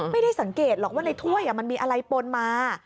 ไม่ได้สังเกตหรอกว่าในถ้วยมันมีอะไรปนมา